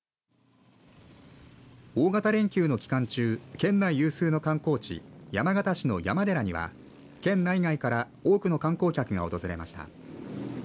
大型連休の期間中、県内有数の観光地、山形市の山寺には県内外から多くの観光客が訪れました。